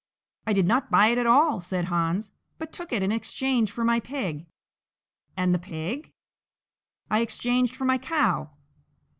"I did not buy it at all," said Hans, "but took it in exchange for my pig." "And the pig?" "I exchanged for my cow."